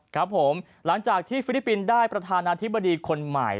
ครับผมหลังจากที่ฟิลิปปินส์ได้ประธานาธิบดีคนใหม่